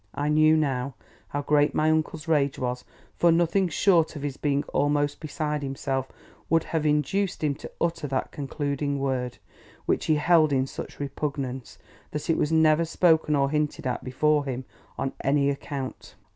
I knew, now, how great my uncle's rage was; for nothing short of his being almost beside himself would have induced him to utter that concluding word, which he held in such repugnance that it was never spoken or hinted at before him on any account.